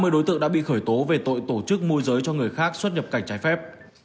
ba mươi đối tượng đã bị khởi tố về tội tổ chức môi giới cho người khác xuất nhập cảnh trái phép